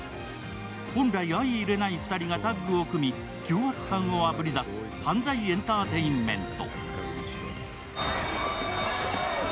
本来、相いれない２人がタッグを組み凶悪犯をあぶり出す犯罪エンターテインメント。